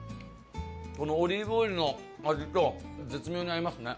このオリーブオイルの味と絶妙に合いますね。